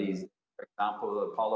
yang diperlihatkan dalam